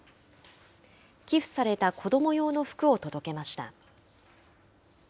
寄付された子ども用の服を届けました。